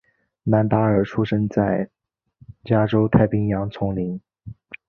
兰达尔出生在加州太平洋丛林。